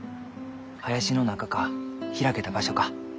林の中か開けた場所か。